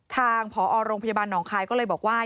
ทางผอโรงพยาบาลหนองคายก็เลยบอกว่า